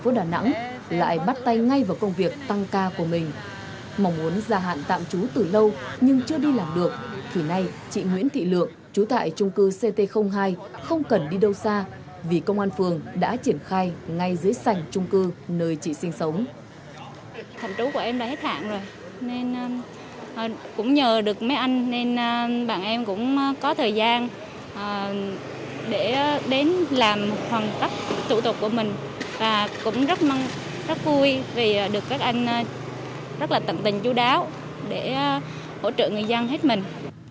và cũng rất vui vì được các anh rất là tận tình chú đáo để hỗ trợ người dân hết mình